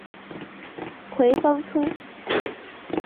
葵芳邨。